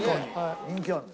人気ある。